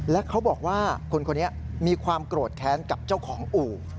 และเขาบอกว่าคนคนนี้มีความโกรธแค้นกับเจ้าของอู่